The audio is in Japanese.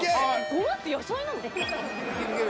ごまって野菜なの？